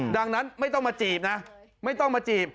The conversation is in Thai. ดังนั้นไม่ต้องมาจีบนะไม่ต้องมาจีบ